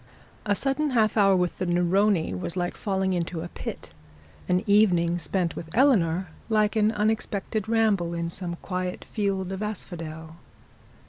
A sudden half hour with the Neroni, was like falling into a pit; an evening spent with Eleanor like an unexpected ramble in some quiet fields of asphodel.